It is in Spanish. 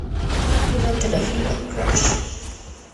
Durante la gira Crash!